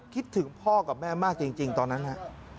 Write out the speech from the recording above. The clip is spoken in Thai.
คิดถึงพ่อกับแม่มากจริงตอนนั้นฮะ